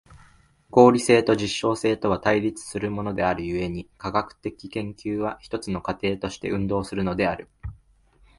合理性と実証性とは対立するものである故に、科学的研究は一つの過程として運動するのである。